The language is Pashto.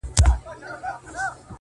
يو په بل يې ښخول تېره غاښونه!!